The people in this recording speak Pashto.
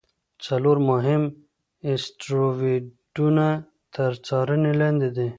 څلور مهم اسټروېډونه تر څارنې لاندې دي.